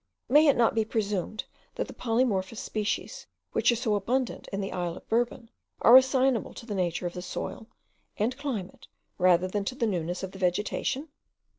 May it not to be presumed, that the polymorphous species, which are so abundant in the isle of Bourbon, are assignable to the nature of the soil and climate rather than to the newness of the vegetation?